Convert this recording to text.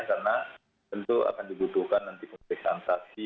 karena tentu akan dibutuhkan nanti pemeriksaan saksi